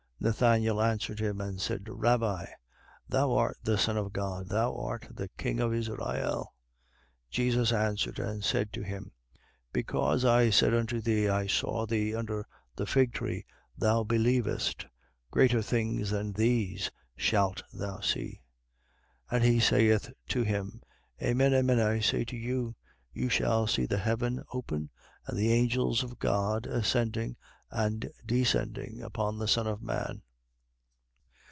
1:49. Nathanael answered him and said: Rabbi: Thou art the Son of God. Thou art the King of Israel. 1:50. Jesus answered and said to him: Because I said unto thee, I saw thee under the fig tree, thou believest: greater things than these shalt thou see. 1:51. And he saith to him: Amen, amen, I say to you, you shall see the heaven opened and the angels of God ascending and descending upon the Son of man.